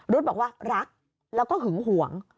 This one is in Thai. บอกว่ารักแล้วก็หึงหวง